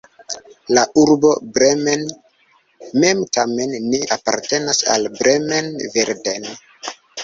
La urbo Bremen mem tamen ne apartenas al Bremen-Verden.